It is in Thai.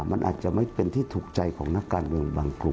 มันอาจจะไม่เป็นที่ถูกใจของนักการเมืองบางกลุ่ม